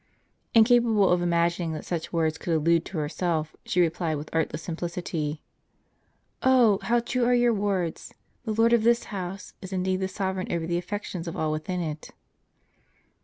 Incapable of imagining that such words could allude to herself, she replied, with artless simplicity :" Oh, how true are your words! the Lord of this house is indeed the sovereign over the affections of all within it."